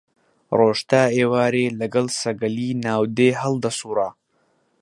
ڕۆژ تا ئێوارێ لەگەڵ سەگەلی ناو دێ هەڵدەسووڕا